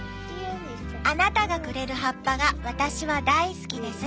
「あなたがくれる葉っぱが私は大好きです。